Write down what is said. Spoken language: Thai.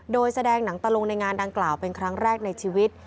โดยแสดงหนังตะลุงในงานดังกล่าวเป็นครั้งแรกในชีวิต